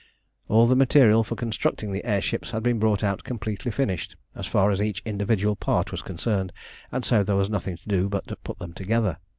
All the material for constructing the air ships had been brought out completely finished as far as each individual part was concerned, and so there was nothing to do but to put them together.